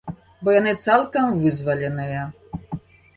Бо яны цалкам вызваленыя.